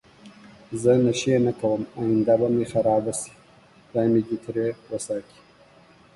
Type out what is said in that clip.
زه نشی نه کوم اینده به می خرابه شی خدای می دی تری وساتی